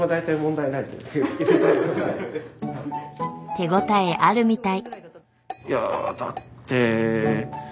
手応えあるみたい。